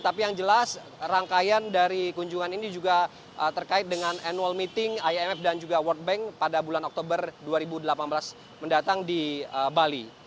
tapi yang jelas rangkaian dari kunjungan ini juga terkait dengan annual meeting imf dan juga world bank pada bulan oktober dua ribu delapan belas mendatang di bali